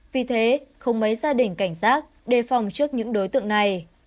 vì thế không mấy gia đình cảnh giác đề phòng trước những đối tượng này